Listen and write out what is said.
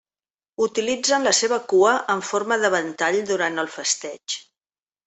Utilitzen la seva cua en forma de ventall durant el festeig.